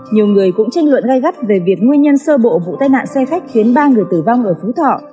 nhiều người cũng tranh luận gai gắt về việc nguyên nhân sơ bộ vụ tai nạn xe khách khiến ba người tử vong ở phú thọ